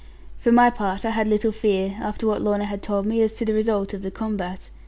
For my part, I had little fear, after what Lorna had told me, as to the result of the combat.